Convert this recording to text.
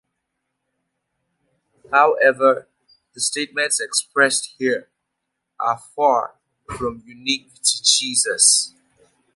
However, the statements expressed here are far from unique to Jesus.